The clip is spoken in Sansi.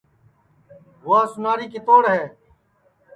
بھوا سُناری کِتوڑ ہے